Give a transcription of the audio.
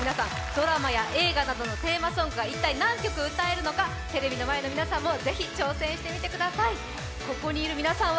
ドラマや映画などのテーマソングが一体何曲歌えるのか、テレビの前の皆さんもぜひ挑戦してみてください。